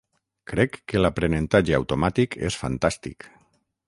Crec que l'aprenentatge automàtic és fantàstic.